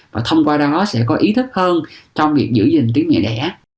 và thông qua đó sẽ có ý thức hơn trong việc giữ gìn tiếng nghệ đẻ